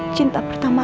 oglney terlihat kan